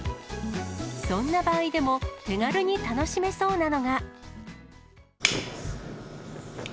そんな場合でも手軽に楽しめそうなのが。